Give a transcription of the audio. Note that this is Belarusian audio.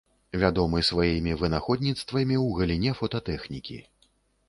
Вядомы сваімі вынаходніцтвамі ў галіне фотатэхнікі.